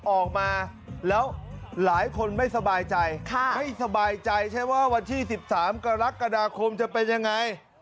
ออกมาแล้วหลายคนไม่สบายใจไม่สบายใจใช่ว่าวันที่๑๓กรกฎาคมจะเป็นยังไง